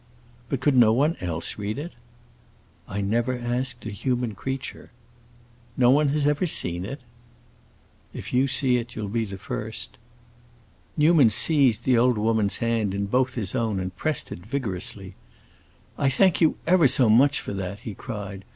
"But could no one else read it?" "I never asked a human creature." "No one has ever seen it?" "If you see it you'll be the first." Newman seized the old woman's hand in both his own and pressed it vigorously. "I thank you ever so much for that," he cried.